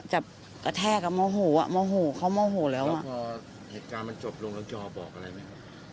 จับกระแทกอ่ะเมาหูอ่ะเมาหูเขาเมาหูแล้วแล้วพอเหตุการณ์มันจบลงแล้วเจ้าบอกอะไรไหม